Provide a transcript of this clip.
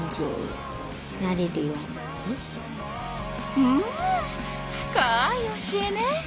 うん深い教えね！